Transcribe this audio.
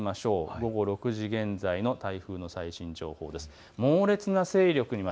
午後６時現在の台風の最新情報です。